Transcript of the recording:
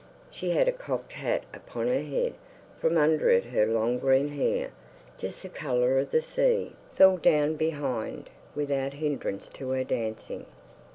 She had a cocked hat upon her head; from under it her long green hair just the colour of the sea fell down behind, without hindrance to her dancing.